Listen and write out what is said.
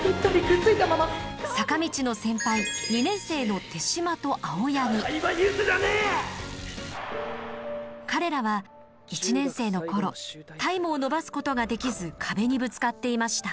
坂道の先輩彼らは１年生の頃タイムを伸ばすことができず壁にぶつかっていました。